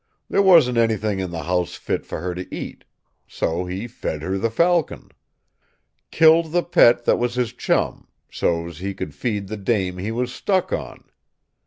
There wasn't anything in the house fit for her to eat. So he fed her the falcon. Killed the pet that was his chum, so's he could feed the dame he was stuck on.